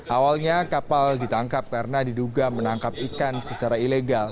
awalnya kapal ditangkap karena diduga menangkap ikan secara ilegal